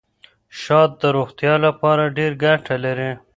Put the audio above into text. شات د روغتیا لپاره ډېره ګټه لري.